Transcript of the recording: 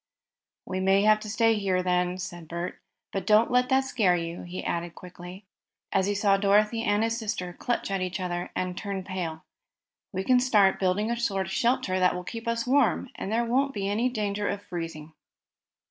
"We may have to stay here," said Bert. "But don't let that scare you," he said quickly, as he saw Dorothy and his sister clutch at each other and turn pale. "We can build a sort of shelter that will keep us warm, and there won't be any danger of freezing."